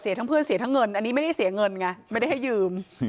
ทั้งเพื่อนเสียทั้งเงินอันนี้ไม่ได้เสียเงินไงไม่ได้ให้ยืม